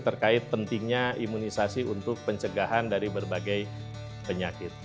terkait pentingnya imunisasi untuk pencegahan dari berbagai penyakit